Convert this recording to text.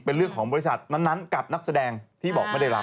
เป็นเรื่องของบริษัทนั้นกับนักแสดงที่บอกไม่ได้รับ